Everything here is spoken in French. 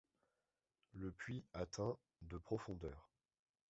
Le puits atteint de profondeur.